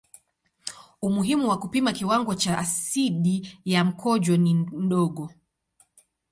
Umuhimu wa kupima kiwango cha asidi ya mkojo ni mdogo.